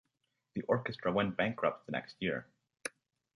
The Orchestra went bankrupt the next year.